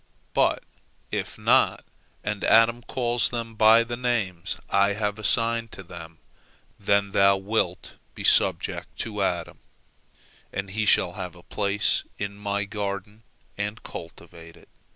But if not, and Adam calls them by the names I have assigned to them, then thou wilt be subject to Adam, and he shall have a place in My garden, and cultivate it."